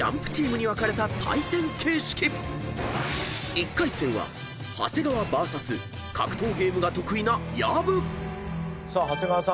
［１回戦は長谷川ＶＳ格闘ゲームが得意な薮］さあ長谷川さん